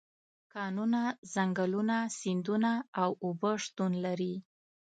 کانونه، ځنګلونه، سیندونه او اوبه شتون لري.